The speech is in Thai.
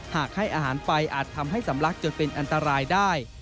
หากให้อาหารไปอาจทำให้สำลักจนเป็นอันตรายได้